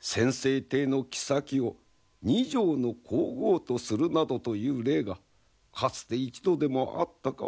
先々帝の妃を二条の皇后とするなどという例がかつて一度でもあったか？